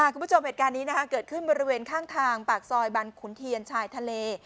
คุณผู้ชมเหตุการณ์นี้เกิดขึ้นบริเวณข้างทางปากซอยบรรขุนเทียนชายทะเล